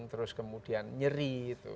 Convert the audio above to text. terus kemudian nyeri